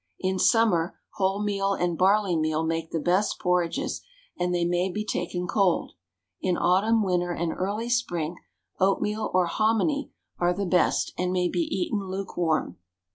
In summer, wholemeal and barleymeal make the best porridges, and they may be taken cold; in autumn, winter, and early spring, oatmeal or hominy are the best, and may be eaten lukewarm.